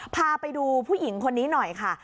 พาไปดูผู้หญิงคนนี้หน่อยค่ะ